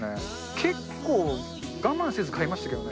結構、我慢せず買いましたけどね。